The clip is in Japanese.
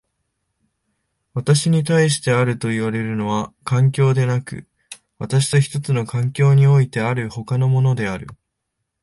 私に対してあるといわれるのは環境でなく、私と一つの環境においてある他のものである。